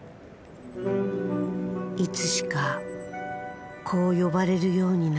いつしかこう呼ばれるようになった。